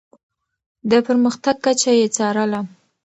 د پرمختګ کچه يې څارله.